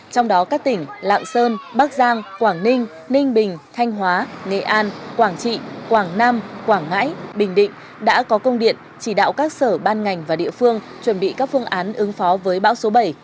trong đó các tỉnh lạng sơn bắc giang quảng ninh ninh bình thanh hóa nghệ an quảng trị quảng nam quảng ngãi bình định đã có công điện chỉ đạo các sở ban ngành và địa phương chuẩn bị các phương án ứng phó với bão số bảy